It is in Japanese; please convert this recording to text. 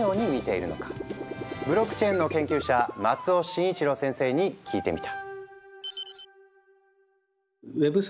ブロックチェーンの研究者松尾真一郎先生に聞いてみた。